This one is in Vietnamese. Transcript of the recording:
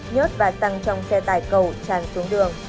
nhớt và xăng trong xe tải cầu tràn xuống đường